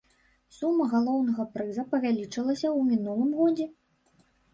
Сума галоўнага прыза павялічылася ў мінулым годзе.